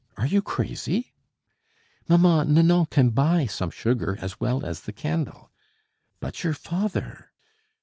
Are you crazy?" "Mamma, Nanon can buy some sugar as well as the candle." "But your father?"